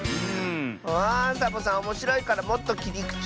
あサボさんおもしろいからもっときりくちみせて。